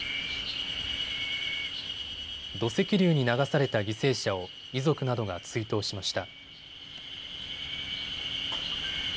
土石流に流された犠牲者を遺族などが追悼しました。